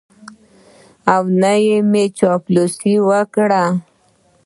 او نه مې چاپلوسي وکړه.